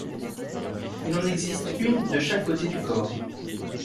Il en existe une de chaque côté du corps.